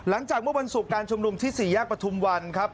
หลังจากเมื่อวันศูกรัฐิกาโชมรุมที่สี่ยากประถุมล์วันครับ